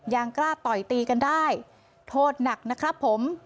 ยังกล้าต่อยตีกันได้โทษหนักนะครับผม